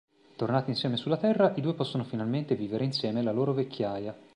Tornati insieme sulla Terra, i due possono finalmente vivere insieme la loro vecchiaia.